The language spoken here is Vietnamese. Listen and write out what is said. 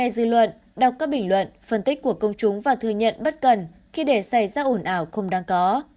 dư luận đọc các bình luận phân tích của công chúng và thư nhận bất cần khi để xảy ra ổn ảo không đáng có